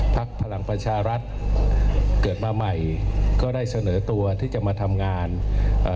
พลังประชารัฐเกิดมาใหม่ก็ได้เสนอตัวที่จะมาทำงานเอ่อ